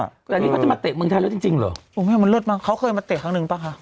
แต่นี่เขาจะมาเตะเมืองไทยแล้วจริงจริงเหรอโอ้แม่มันเลิศมากเขาเคยมาเตะครั้งหนึ่งป่ะคะ